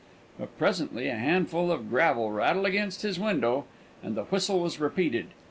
But presently a handful of gravel rattled against his window, and the whistle was repeated.